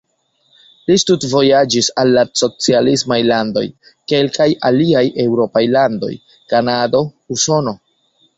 Li studvojaĝis al la socialismaj landoj, kelkaj aliaj eŭropaj landoj, Kanado, Usono.